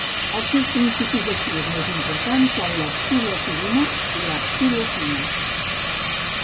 Els seus principis actius més importants són la psilocibina i la psilocina.